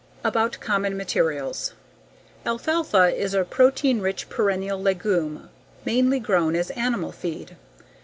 About Common Materials Alfalfa is a protein rich perennial legume mainly grown as animal feed.